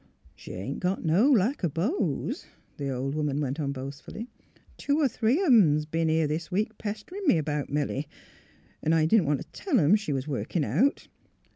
'' She ain't got no lack o' beaux," the old woman went on boastfully. '' Two or three of 'em 's b'en here this week pesterin' me 'bout Milly; 'n' I didn't want to tell 'em she was workin' out.